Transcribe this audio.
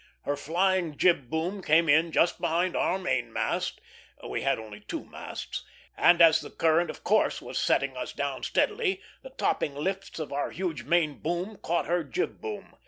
Her flying jib boom came in just behind our main mast (we had only two masts); and as the current of course was setting us down steadily, the topping lifts of our huge main boom caught her jib boom.